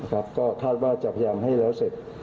ก็คาดว่าจะพยายามให้แล้วเสร็จ